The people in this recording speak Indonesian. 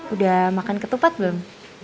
udah makan ketupat belum